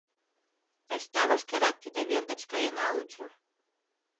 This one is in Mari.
— Айста вашкерак тиде вер гыч каена лучо.